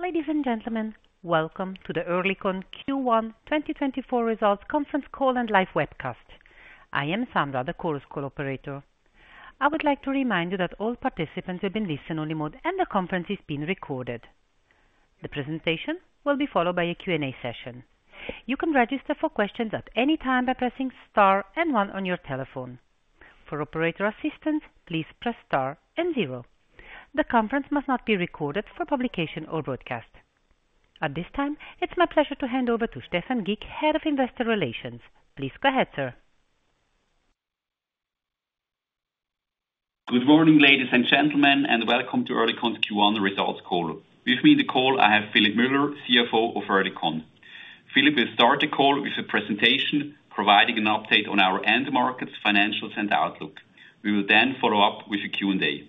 Ladies and gentlemen, welcome to the Oerlikon Q1 2024 Results Conference Call and live webcast. I am Sandra, the Chorus Call operator. I would like to remind you that all participants are in listen-only mode and the conference is being recorded. The presentation will be followed by a Q&A session. You can register for questions at any time by pressing Star and One on your telephone. For operator assistance, please press Star and Zero. The conference must not be recorded for publication or broadcast. At this time, it's my pleasure to hand over to Stephan Gick, Head of Investor Relations. Please go ahead, sir. Good morning, ladies and gentlemen, and welcome to Oerlikon's Q1 results call. With me in the call, I have Philipp Müller, CFO of Oerlikon. Philipp will start the call with a presentation, providing an update on our end markets, financials, and outlook. We will then follow up with a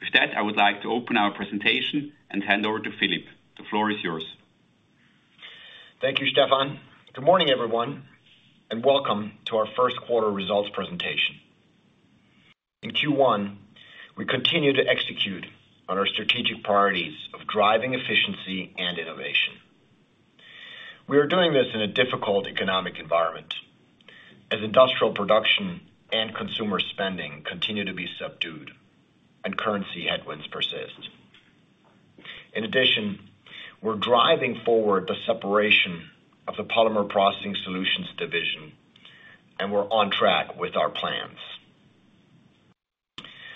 Q&A. With that, I would like to open our presentation and hand over to Philipp. The floor is yours. Thank you, Stephan. Good morning, everyone, and welcome to our first quarter results presentation. In Q1, we continued to execute on our strategic priorities of driving efficiency and innovation. We are doing this in a difficult economic environment as industrial production and consumer spending continue to be subdued and currency headwinds persist. In addition, we're driving forward the separation of the Polymer Processing Solutions division, and we're on track with our plans.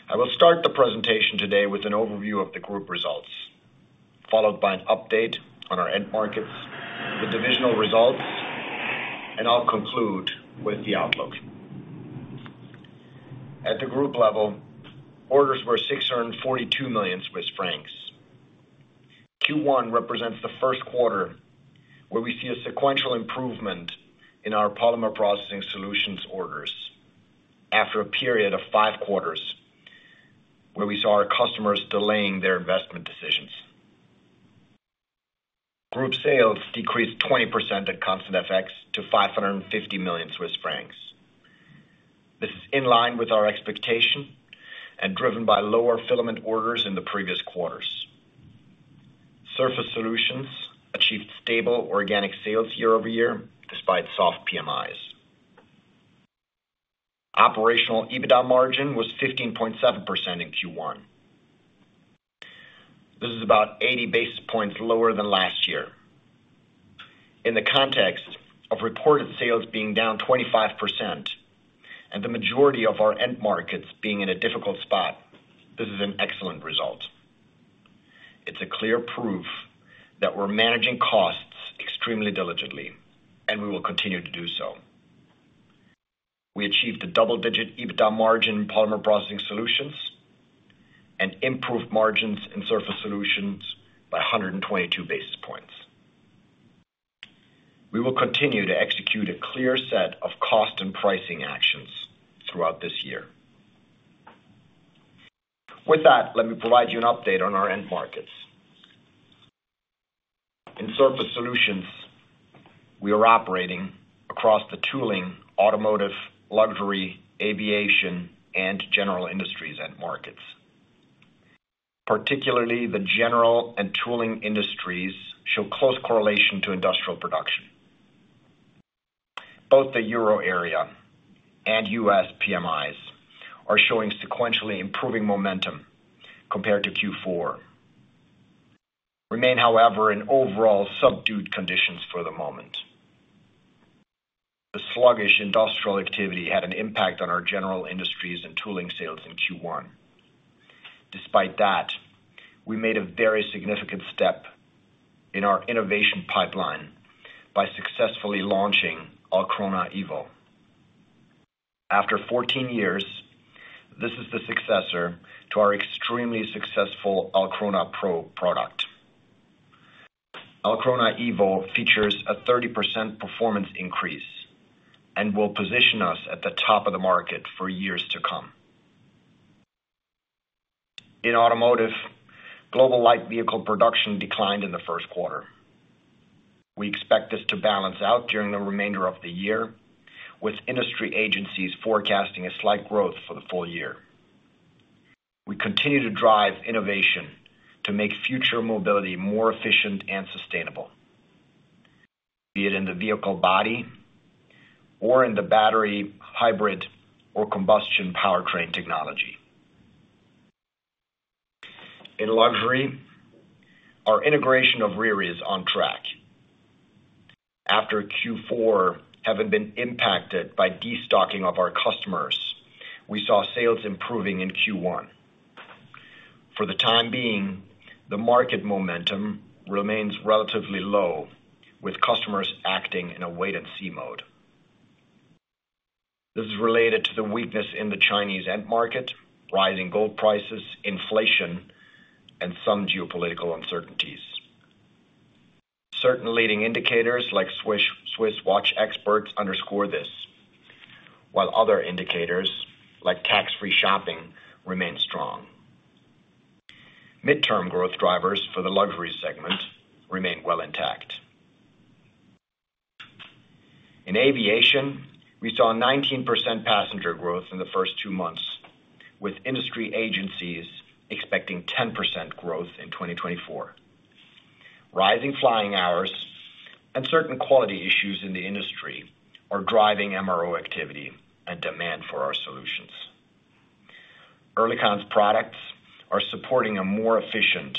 I will start the presentation today with an overview of the group results, followed by an update on our end markets, the divisional results, and I'll conclude with the outlook. At the group level, orders were 642 million Swiss francs. Q1 represents the first quarter where we see a sequential improvement in our Polymer Processing Solutions orders after a period of five quarters, where we saw our customers delaying their investment decisions. Group sales decreased 20% at constant FX to 550 million Swiss francs. This is in line with our expectation and driven by lower Filament orders in the previous quarters. Surface Solutions achieved stable organic sales year-over-year, despite soft PMIs. Operational EBITDA margin was 15.7% in Q1. This is about 80 basis points lower than last year. In the context of reported sales being down 25% and the majority of our end markets being in a difficult spot, this is an excellent result. It's a clear proof that we're managing costs extremely diligently, and we will continue to do so. We achieved a double-digit EBITDA margin in Polymer Processing Solutions and improved margins in Surface Solutions by 122 basis points. We will continue to execute a clear set of cost and pricing actions throughout this year. With that, let me provide you an update on our end markets. In Surface Solutions, we are operating across the tooling, automotive, luxury, aviation, and general industries end markets. Particularly the general and tooling industries show close correlation to industrial production. Both the Euro area and US PMIs are showing sequentially improving momentum compared to Q4. Remain, however, in overall subdued conditions for the moment. The sluggish industrial activity had an impact on our general industries and tooling sales in Q1. Despite that, we made a very significant step in our innovation pipeline by successfully launching Alcrona EVO. After 14 years, this is the successor to our extremely successful Alcrona Pro product. Alcrona EVO features a 30% performance increase and will position us at the top of the market for years to come. In automotive, global light vehicle production declined in the first quarter. We expect this to balance out during the remainder of the year, with industry agencies forecasting a slight growth for the full year. We continue to drive innovation to make future mobility more efficient and sustainable, be it in the vehicle body or in the battery, hybrid, or combustion powertrain technology. In luxury, our integration of Riri is on track. After Q4, having been impacted by destocking of our customers, we saw sales improving in Q1. For the time being, the market momentum remains relatively low, with customers acting in a wait-and-see mode. This is related to the weakness in the Chinese end market, rising gold prices, inflation, and some geopolitical uncertainties. Certain leading indicators, like Swiss watch exports, underscore this, while other indicators, like tax-free shopping, remain strong. Midterm growth drivers for the luxury segment remain well intact.... In aviation, we saw a 19% passenger growth in the first two months, with industry agencies expecting 10% growth in 2024. Rising flying hours and certain quality issues in the industry are driving MRO activity and demand for our solutions. Oerlikon's products are supporting a more efficient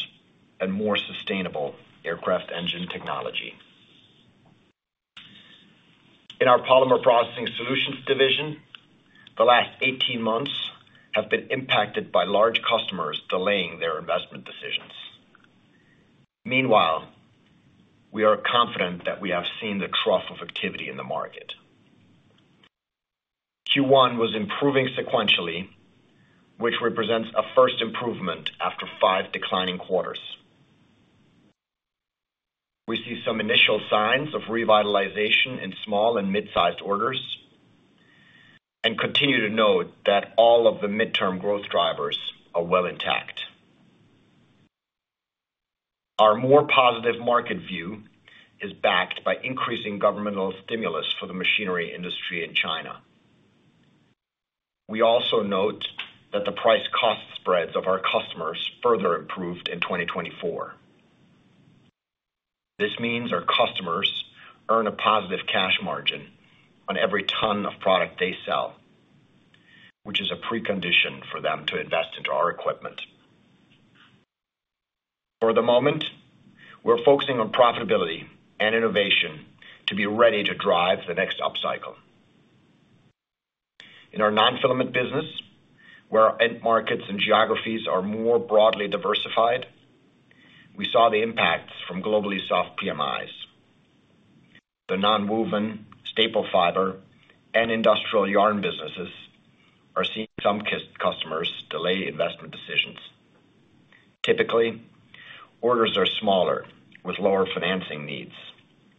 and more sustainable aircraft engine technology. In our polymer processing solutions division, the last 18 months have been impacted by large customers delaying their investment decisions. Meanwhile, we are confident that we have seen the trough of activity in the market. Q1 was improving sequentially, which represents a first improvement after five declining quarters. We see some initial signs of revitalization in small and mid-sized orders, and continue to note that all of the midterm growth drivers are well intact. Our more positive market view is backed by increasing governmental stimulus for the machinery industry in China. We also note that the price-cost spreads of our customers further improved in 2024. This means our customers earn a positive cash margin on every ton of product they sell, which is a precondition for them to invest into our equipment. For the moment, we're focusing on profitability and innovation to be ready to drive the next upcycle. In our non-filament business, where our end markets and geographies are more broadly diversified, we saw the impacts from globally soft PMIs. The nonwoven, staple fiber, and industrial yarn businesses are seeing some customers delay investment decisions. Typically, orders are smaller, with lower financing needs,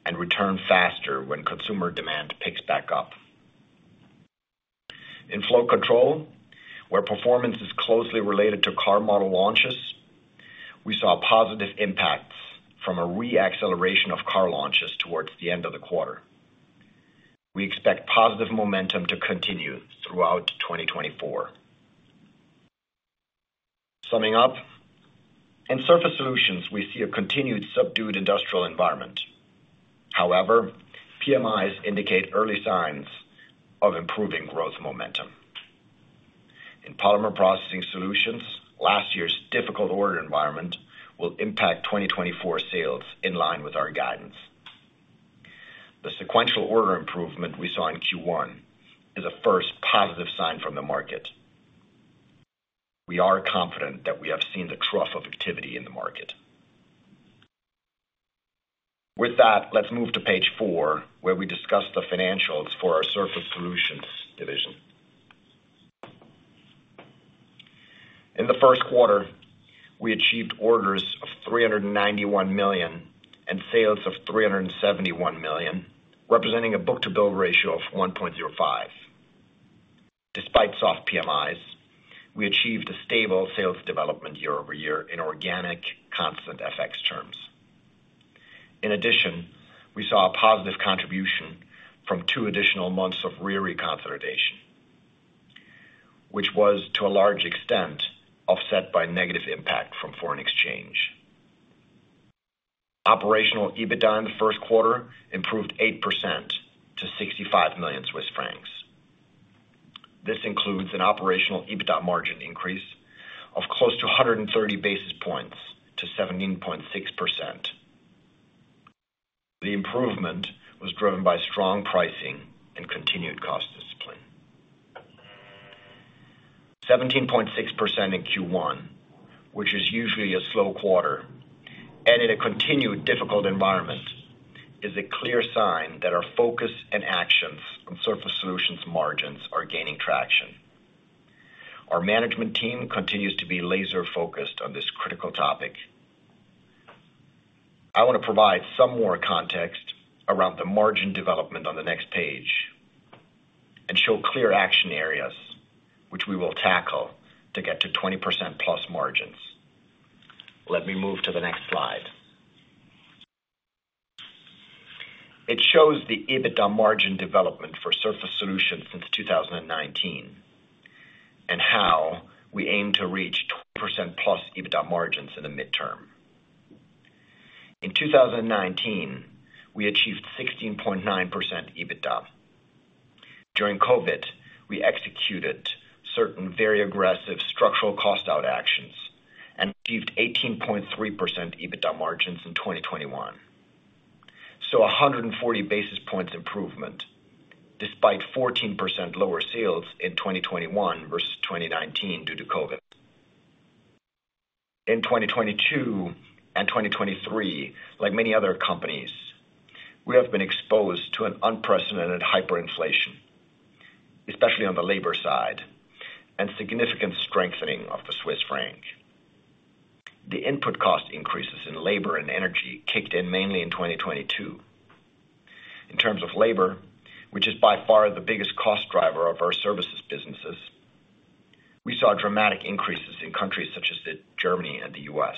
and return faster when consumer demand picks back up. In flow control, where performance is closely related to car model launches, we saw positive impacts from a re-acceleration of car launches towards the end of the quarter. We expect positive momentum to continue throughout 2024. Summing up, in Surface Solutions, we see a continued subdued industrial environment. However, PMIs indicate early signs of improving growth momentum. In Polymer Processing Solutions, last year's difficult order environment will impact 2024 sales in line with our guidance. The sequential order improvement we saw in Q1 is a first positive sign from the market. We are confident that we have seen the trough of activity in the market. With that, let's move to page four, where we discuss the financials for our Surface Solutions division. In the first quarter, we achieved orders of 391 million and sales of 371 million, representing a book-to-bill ratio of 1.05. Despite soft PMIs, we achieved a stable sales development year-over-year in organic, constant FX terms. In addition, we saw a positive contribution from two additional months of Riri consolidation, which was, to a large extent, offset by negative impact from foreign exchange. Operational EBITDA in the first quarter improved 8% to 65 million Swiss francs. This includes an operational EBITDA margin increase of close to 130 basis points to 17.6%. The improvement was driven by strong pricing and continued cost discipline. 17.6% in Q1, which is usually a slow quarter, and in a continued difficult environment, is a clear sign that our focus and actions on surface solutions margins are gaining traction. Our management team continues to be laser-focused on this critical topic. I want to provide some more context around the margin development on the next page and show clear action areas, which we will tackle to get to 20%+ margins. Let me move to the next slide. It shows the EBITDA margin development for Surface Solutions since 2019, and how we aim to reach 20%+ EBITDA margins in the midterm. In 2019, we achieved 16.9% EBITDA. During COVID, we executed certain very aggressive structural cost out actions and achieved 18.3% EBITDA margins in 2021. So 140 basis points improvement, despite 14% lower sales in 2021 versus 2019 due to COVID. In 2022 and 2023, like many other companies, we have been exposed to an unprecedented hyperinflation, especially on the labor side, and significant strengthening of the Swiss franc. The input cost increases in labor and energy kicked in mainly in 2022. In terms of labor, which is by far the biggest cost driver of our services businesses, we saw dramatic increases in countries such as Germany and the US.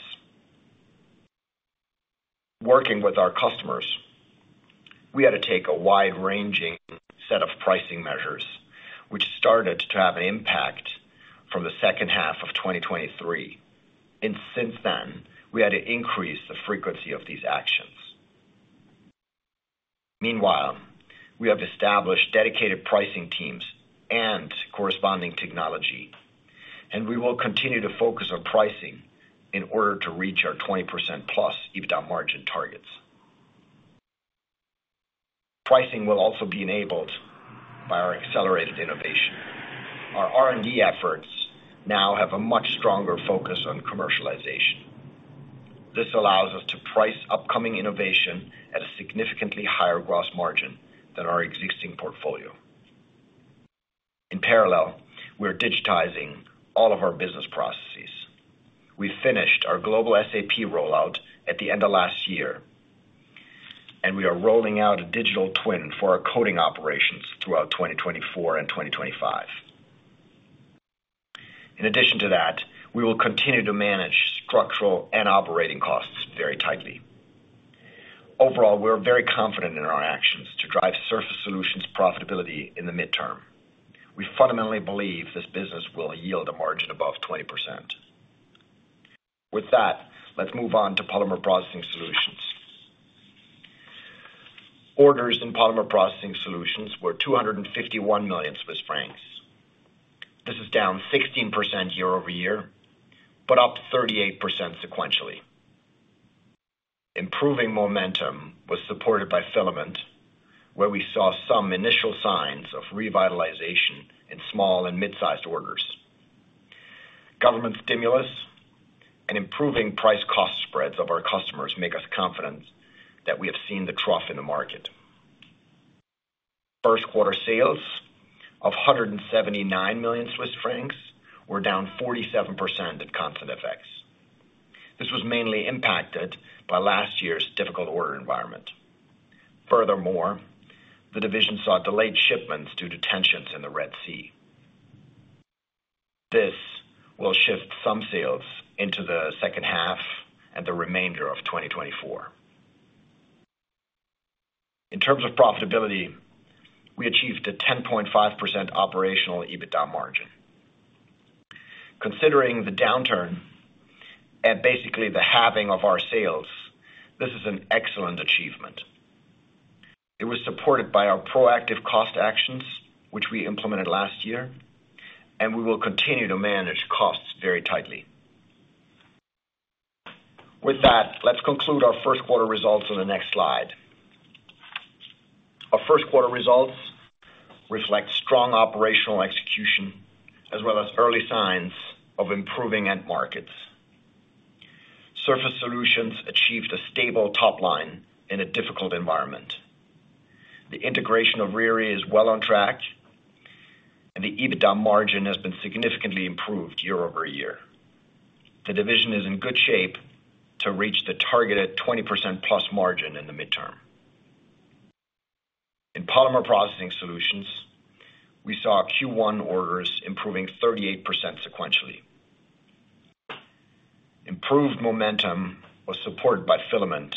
Working with our customers, we had to take a wide-ranging set of pricing measures, which started to have an impact from the second half of 2023, and since then, we had to increase the frequency of these actions. Meanwhile, we have established dedicated pricing teams and corresponding technology, and we will continue to focus on pricing in order to reach our 20%+ EBITDA margin targets. Pricing will also be enabled by our accelerated innovation. Our R&D efforts now have a much stronger focus on commercialization. This allows us to price upcoming innovation at a significantly higher gross margin than our existing portfolio. In parallel, we are digitizing all of our business processes. We finished our global SAP rollout at the end of last year, and we are rolling out a digital twin for our coating operations throughout 2024 and 2025. In addition to that, we will continue to manage structural and operating costs very tightly. Overall, we are very confident in our actions to drive Surface Solutions profitability in the midterm. We fundamentally believe this business will yield a margin above 20%. With that, let's move on to Polymer Processing Solutions. Orders in Polymer Processing Solutions were 251 million Swiss francs. This is down 16% year-over-year, but up 38% sequentially. Improving momentum was supported by filament, where we saw some initial signs of revitalization in small and mid-sized orders. Government stimulus and improving price-cost spreads of our customers make us confident that we have seen the trough in the market. First quarter sales of 179 million Swiss francs were down 47% at constant FX. This was mainly impacted by last year's difficult order environment. Furthermore, the division saw delayed shipments due to tensions in the Red Sea. This will shift some sales into the second half and the remainder of 2024. In terms of profitability, we achieved a 10.5% operational EBITDA margin. Considering the downturn and basically the halving of our sales, this is an excellent achievement. It was supported by our proactive cost actions, which we implemented last year, and we will continue to manage costs very tightly. With that, let's conclude our first quarter results on the next slide. Our first quarter results reflect strong operational execution as well as early signs of improving end markets. Surface Solutions achieved a stable top line in a difficult environment. The integration of Riri is well on track, and the EBITDA margin has been significantly improved year-over-year. The division is in good shape to reach the targeted 20%+ margin in the midterm. In Polymer Processing Solutions, we saw Q1 orders improving 38% sequentially. Improved momentum was supported by filament,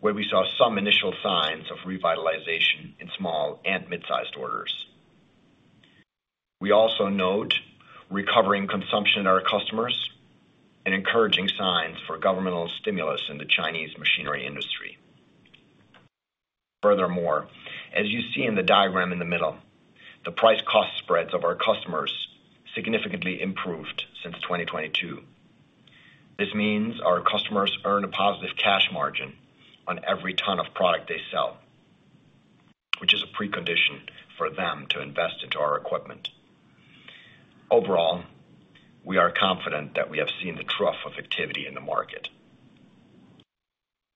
where we saw some initial signs of revitalization in small and mid-sized orders. We also note recovering consumption in our customers and encouraging signs for governmental stimulus in the Chinese machinery industry. Furthermore, as you see in the diagram in the middle, the price-cost spreads of our customers significantly improved since 2022. This means our customers earn a positive cash margin on every ton of product they sell, which is a precondition for them to invest into our equipment. Overall, we are confident that we have seen the trough of activity in the market.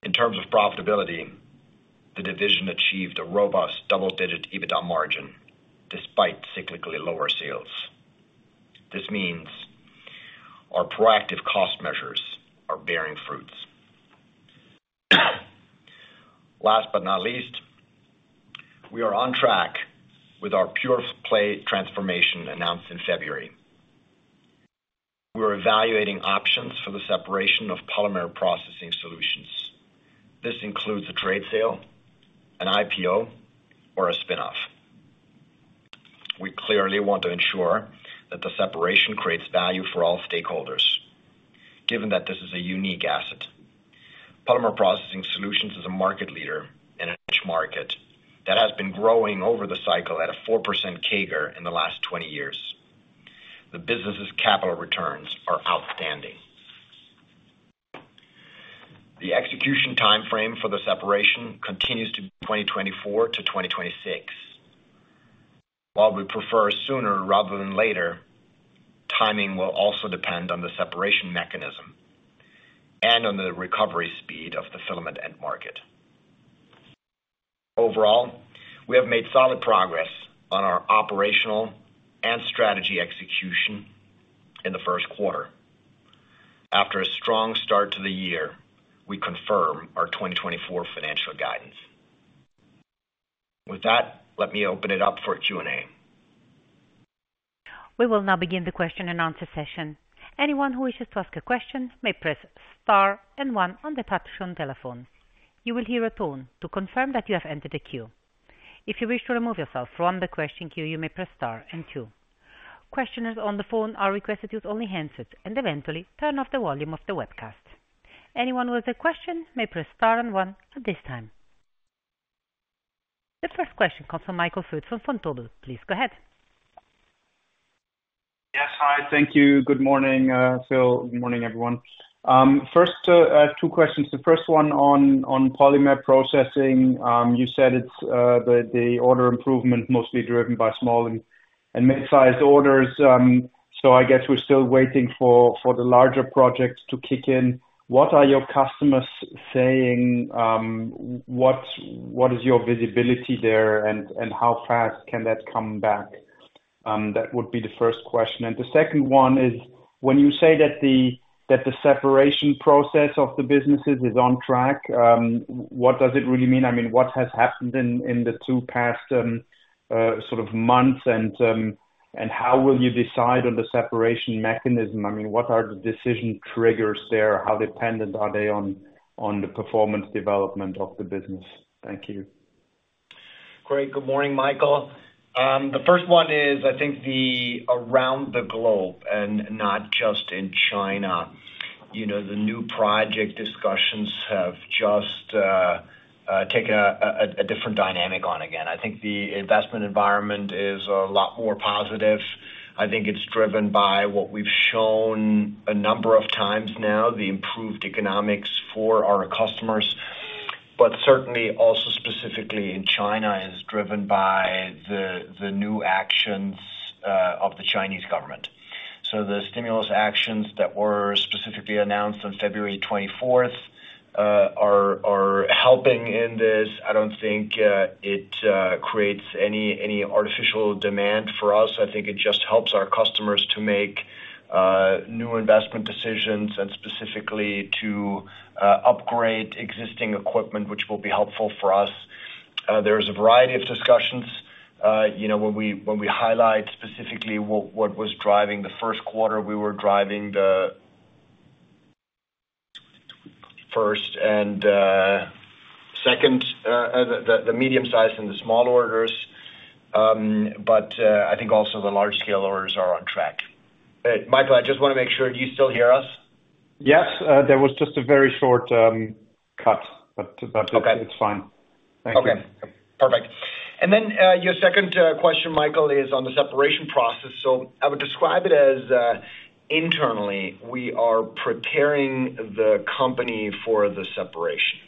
In terms of profitability, the division achieved a robust double-digit EBITDA margin, despite cyclically lower sales. This means our proactive cost measures are bearing fruits. Last but not least, we are on track with our pure play transformation announced in February. We are evaluating options for the separation of Polymer Processing Solutions. This includes a trade sale, an IPO, or a spin-off. We clearly want to ensure that the separation creates value for all stakeholders, given that this is a unique asset. Polymer Processing Solutions is a market leader in a niche market that has been growing over the cycle at a 4% CAGR in the last 20 years. The business's capital returns are outstanding. The execution timeframe for the separation continues to be 2024-2026. While we prefer sooner rather than later, timing will also depend on the separation mechanism and on the recovery speed of the filament end market. Overall, we have made solid progress on our operational and strategy execution in the first quarter. After a strong start to the year, we confirm our 2024 financial guidance. With that, let me open it up for Q&A.... We will now begin the question and answer session. Anyone who wishes to ask a question may press star and one on the touchtone telephone. You will hear a tone to confirm that you have entered the queue. If you wish to remove yourself from the question queue, you may press star and two. Questioners on the phone are requested to use only handsets and eventually turn off the volume of the webcast. Anyone with a question may press star and one at this time. The first question comes from Michael. Please go ahead. Yes. Hi, thank you. Good morning, Philipp. Good morning, everyone. First, I have two questions. The first one on polymer processing. You said it's the order improvement, mostly driven by small and mid-sized orders. So I guess we're still waiting for the larger projects to kick in. What are your customers saying? What is your visibility there, and how fast can that come back? That would be the first question. And the second one is, when you say that the separation process of the businesses is on track, what does it really mean? I mean, what has happened in the past two sort of months? And how will you decide on the separation mechanism? I mean, what are the decision triggers there? How dependent are they on the performance development of the business? Thank you. Great. Good morning, Michael. The first one is, I think the around the globe and not just in China. You know, the new project discussions have just taken a different dynamic on again. I think the investment environment is a lot more positive. I think it's driven by what we've shown a number of times now, the improved economics for our customers, but certainly also specifically in China, is driven by the new actions of the Chinese government. So the stimulus actions that were specifically announced on 24th February are helping in this. I don't think it creates any artificial demand for us. I think it just helps our customers to make new investment decisions and specifically to upgrade existing equipment, which will be helpful for us. There's a variety of discussions. You know, when we, when we highlight specifically what what was driving the first quarter, we were driving the first and, the, the medium size and the small orders, but I think also the large scale orders are on track. Michael, I just wanna make sure, do you still hear us? Yes, there was just a very short cut, but- Okay. - That's fine. Thank you. Okay, perfect. And then, your second question, Michael, is on the separation process. So I would describe it as, internally, we are preparing the company for the separation.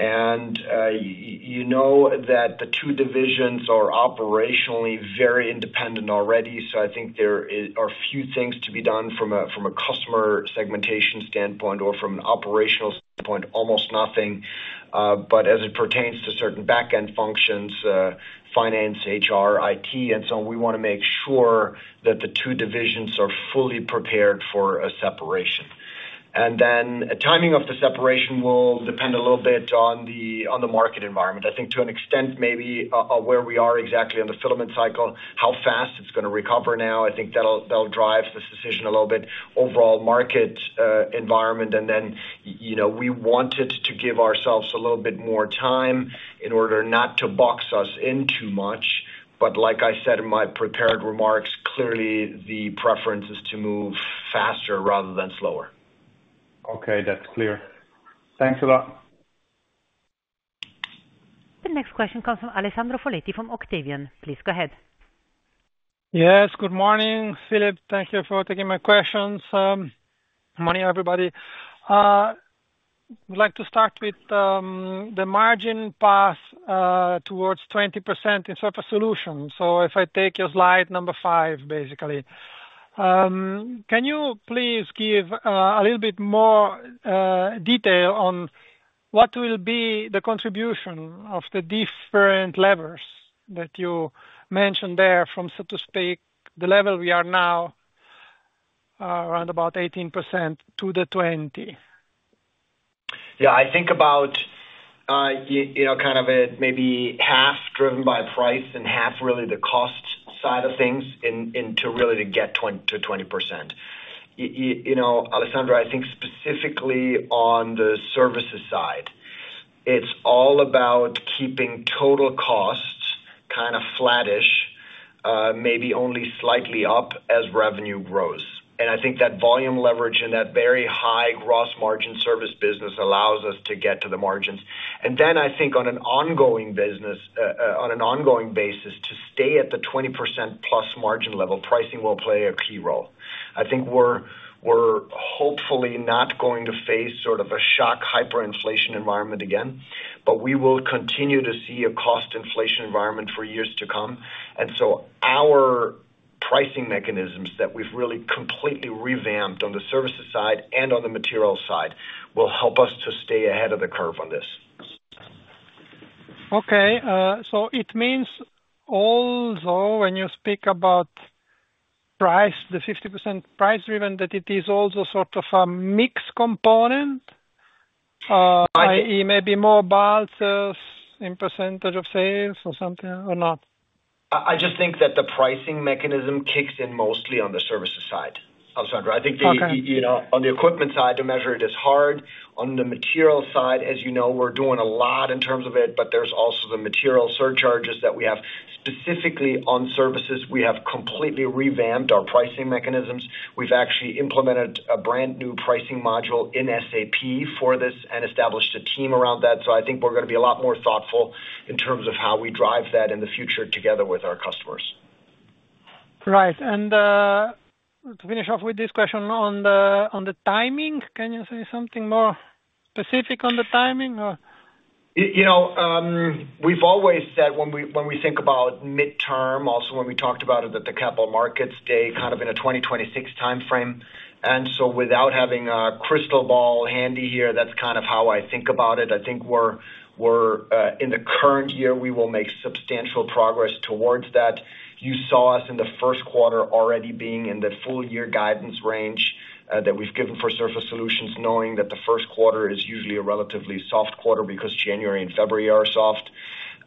And, you know that the two divisions are operationally very independent already, so I think there are few things to be done from a, from a customer segmentation standpoint or from an operational standpoint, almost nothing. But as it pertains to certain back-end functions, finance, HR, IT, and so we wanna make sure that the two divisions are fully prepared for a separation. And then timing of the separation will depend a little bit on the, on the market environment. I think to an extent, maybe, of where we are exactly on the filament cycle, how fast it's gonna recover now, I think that'll, that'll drive this decision a little bit. Overall market environment and then, you know, we wanted to give ourselves a little bit more time in order not to box us in too much. But like I said in my prepared remarks, clearly the preference is to move faster rather than slower. Okay, that's clear. Thanks a lot. The next question comes from Alessandro Foletti from Octavian. Please go ahead. Yes, good morning, Philipp. Thank you for taking my questions. Good morning, everybody. I'd like to start with the margin path towards 20% in Surface Solutions. So if I take your slide number five, basically, can you please give a little bit more detail on what will be the contribution of the different levers that you mentioned there, from, so to speak, the level we are now, around about 18% to the 20%? Yeah, I think about, you know, kind of a maybe half driven by price and half really the cost side of things in to really get to 20%. You know, Alessandro, I think specifically on the services side, it's all about keeping total costs kind of flattish, maybe only slightly up as revenue grows. And I think that volume leverage and that very high gross margin service business allows us to get to the margins. And then I think on an ongoing business, on an ongoing basis, to stay at the 20%+ margin level, pricing will play a key role. I think we're hopefully not going to face sort of a shock hyperinflation environment again, but we will continue to see a cost inflation environment for years to come. Our pricing mechanisms that we've really completely revamped on the services side and on the materials side will help us to stay ahead of the curve on this. Okay, so it means although when you speak about price, the 50% price driven, that it is also sort of a mixed component? I.e., maybe more balances in percentage of sales or something, or not? I just think that the pricing mechanism kicks in mostly on the services side, Alessandro. Okay. I think the, you know, on the equipment side, to measure it is hard. On the material side, as you know, we're doing a lot in terms of it, but there's also the material surcharges that we have. Specifically on services, we have completely revamped our pricing mechanisms. We've actually implemented a brand new pricing module in SAP for this and established a team around that. So I think we're gonna be a lot more thoughtful in terms of how we drive that in the future together with our customers. Right, and, to finish off with this question on the, on the timing, can you say something more specific on the timing, or? You know, we've always said when we think about midterm, also, when we talked about it at the Capital Markets Day, kind of in a 2020-2026 timeframe, and so without having a crystal ball handy here, that's kind of how I think about it. I think we're in the current year, we will make substantial progress towards that. You saw us in the first quarter already being in the full year guidance range that we've given for Surface Solutions, knowing that the first quarter is usually a relatively soft quarter because January and February are soft.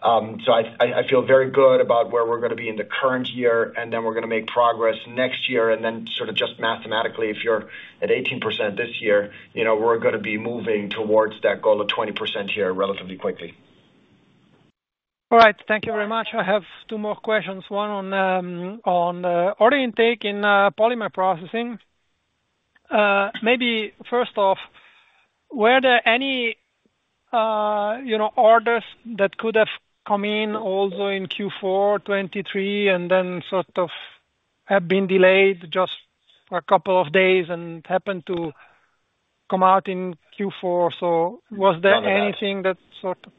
So I feel very good about where we're gonna be in the current year, and then we're gonna make progress next year, and then sort of just mathematically, if you're at 18% this year, you know, we're gonna be moving towards that goal of 20% here relatively quickly. All right. Thank you very much. I have two more questions, one on order intake in polymer processing. Maybe first off, were there any, you know, orders that could have come in also in Q4 2023, and then sort of have been delayed just a couple of days and happened to come out in Q4? So was there- None of that. Anything that sort of?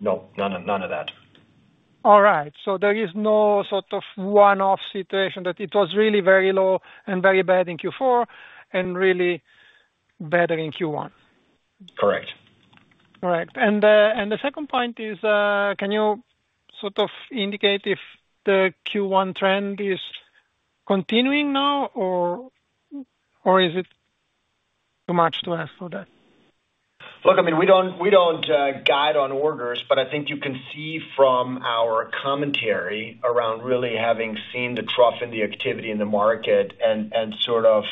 No, none of that. All right. So there is no sort of one-off situation, that it was really very low and very bad in Q4 and really better in Q1? Correct. All right. The second point is, can you sort of indicate if the Q1 trend is continuing now, or is it too much to ask for that? Look, I mean, we don't guide on orders, but I think you can see from our commentary around really having seen the trough in the activity in the market and sort of,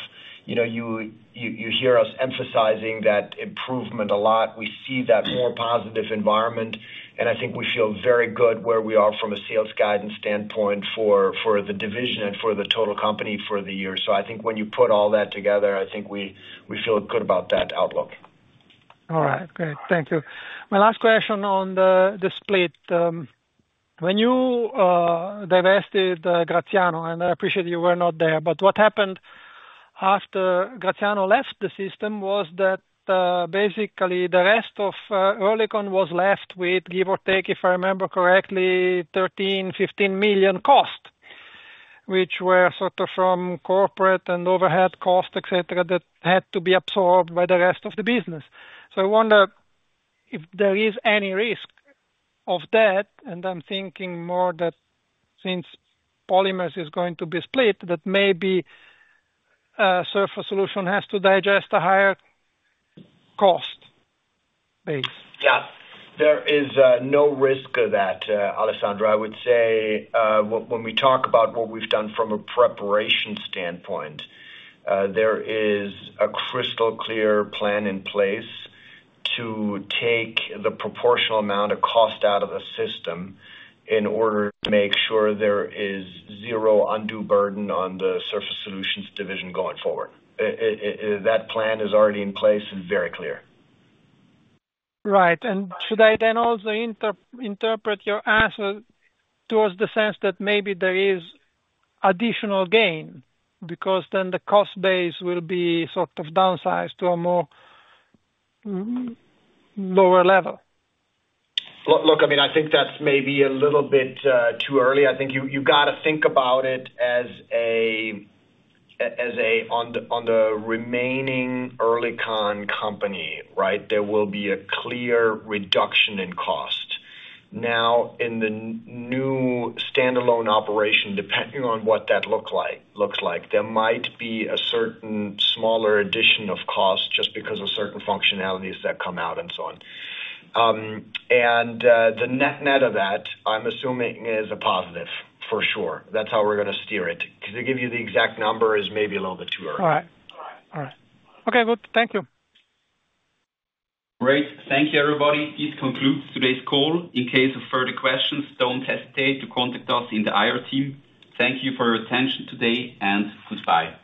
you know, you hear us emphasizing that improvement a lot. We see that more positive environment, and I think we feel very good where we are from a sales guidance standpoint for the division and for the total company for the year. So I think when you put all that together, I think we feel good about that outlook. All right, great. Thank you. My last question on the split. When you divested Graziano, and I appreciate you were not there, but what happened after Graziano left the system was that basically the rest of Oerlikon was left with, give or take, if I remember correctly, 13 million-15 million cost, which were sort of from corporate and overhead costs, et cetera, that had to be absorbed by the rest of the business. So I wonder if there is any risk of that, and I'm thinking more that since polymers is going to be split, that maybe Surface Solutions has to digest a higher cost base. Yeah. There is no risk of that, Alessandro. I would say, when we talk about what we've done from a preparation standpoint, there is a crystal clear plan in place to take the proportional amount of cost out of the system in order to make sure there is zero undue burden on the Surface Solutions division going forward. That plan is already in place and very clear. Right. And should I then also interpret your answer towards the sense that maybe there is additional gain, because then the cost base will be sort of downsized to a more lower level? Look, I mean, I think that's maybe a little bit too early. I think you gotta think about it as on the remaining Oerlikon company, right? There will be a clear reduction in cost. Now, in the new standalone operation, depending on what that looks like, there might be a certain smaller addition of cost just because of certain functionalities that come out and so on. And the net-net of that, I'm assuming, is a positive, for sure. That's how we're gonna steer it. To give you the exact number is maybe a little bit too early. All right. All right. Okay, good. Thank you. Great. Thank you, everybody. This concludes today's call. In case of further questions, don't hesitate to contact us in the IR team. Thank you for your attention today, and goodbye.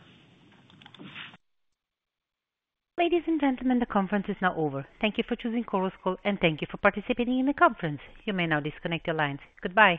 Ladies and gentlemen, the conference is now over. Thank you for choosing Chorus Call, and thank you for participating in the conference. You may now disconnect your lines. Goodbye.